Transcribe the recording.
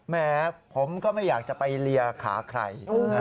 แม้ผมก็ไม่อยากจะไปเลียขาใคร